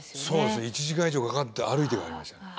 そうですね１時間以上かかって歩いて帰りました。